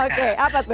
oke apa tuh